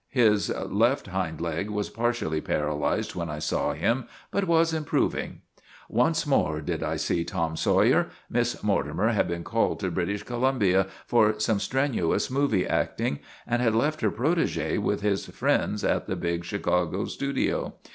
His left hind leg was partially para lyzed, when I saw him, but was improving. Once more did I see Tom Sawyer. Miss Morti mer had been called to British Columbia for some strenuous movie acting, and had left her protege with his friends at the big Chicago studio.